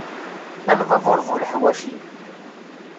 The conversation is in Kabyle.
A lbabur bu leḥwaci!